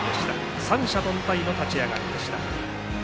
三者凡退の立ち上がりでした。